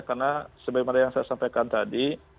karena sebagaimana yang saya sampaikan tadi